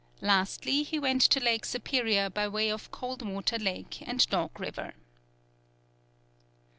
Lastly, he went to Lake Superior by way of Cold Water Lake and Dog River.